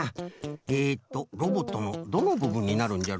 えっとロボットのどのぶぶんになるんじゃろ？